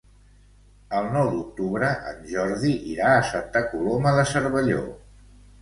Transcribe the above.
El nou d'octubre en Jordi irà a Santa Coloma de Cervelló.